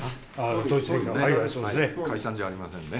統一選挙、解散じゃありませんね。